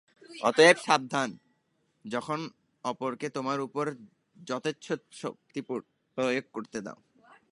অতএব সাবধান, যখন অপরকে তোমার উপর যথেচ্ছ শক্তি প্রয়োগ করিতে দাও।